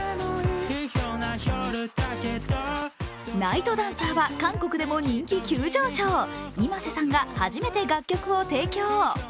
「ＮＩＧＨＴＤＡＮＣＥＲ」は韓国でも人気急上昇、ｉｍａｓｅさんが初めて楽曲を提供。